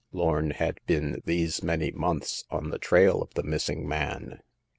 Lorn had been these many months on the trail of the missing man.